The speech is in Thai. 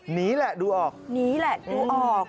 หนีแหละดูออก